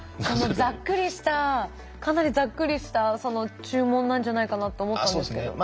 ざっくりしたかなりざっくりした注文なんじゃないかなと思ったんですけど。